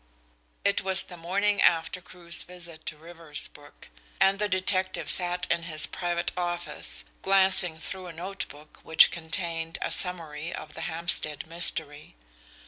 It was the morning after Crewe's visit to Riversbrook, and the detective sat in his private office glancing through a note book which contained a summary of the Hampstead mystery.